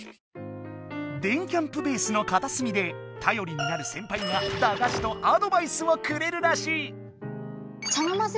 電キャんぷベースのかたすみでたよりになるセンパイがだがしとアドバイスをくれるらしい。